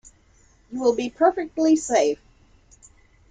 You will be perfectly safe.